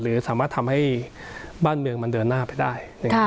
สามารถทำให้บ้านเมืองมันเดินหน้าไปได้